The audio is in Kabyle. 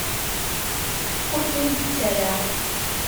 Ur ten-id-ttarraɣ.